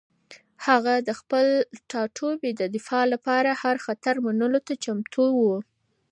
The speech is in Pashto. هغه د خپل ټاټوبي د دفاع لپاره هر خطر منلو ته چمتو و.